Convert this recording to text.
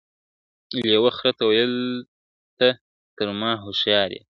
لېوه خره ته ویل ته تر ما هوښیار یې !.